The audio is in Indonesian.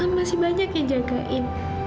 masih banyak yang jagain